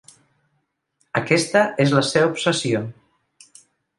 Aquesta és la seva obsessió.